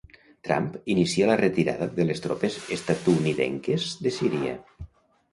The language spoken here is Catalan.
Trump inicia la retirada de les tropes estatunidenques de Síria.